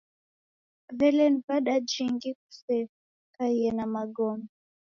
W'ele ni w'ada jingi usekaiaa na magome?